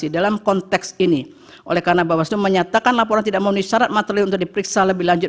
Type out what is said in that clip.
dalam konteks ini oleh karena bawaslu menyatakan laporan tidak memenuhi syarat materi untuk diperiksa lebih lanjut